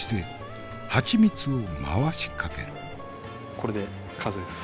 これで完成です。